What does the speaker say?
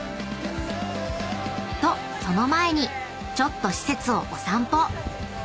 ［とその前にちょっと施設をお散歩］